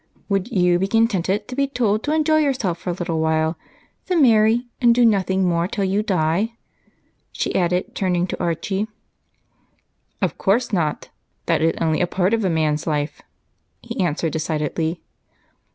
Would you be contented to be told to enjoy yourself for a little while, then marry and do nothing more till you die?" she added, turning to Archie. "Of course not that is only a part of a man's life," he answered decidedly.